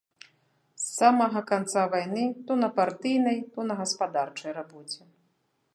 З самага канца вайны то на партыйнай, то на гаспадарчай рабоце.